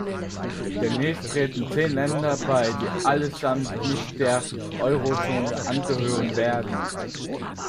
Demnächst treten zehn Länder bei, die allesamt nicht der Eurozone angehören werden.